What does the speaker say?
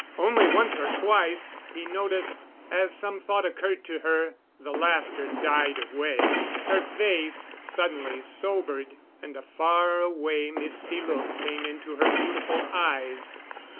Only once or twice, he noticed, as some thought occurred to her, the laughter died away, her face suddenly sobered, and a far away, misty look came into her beautiful eyes.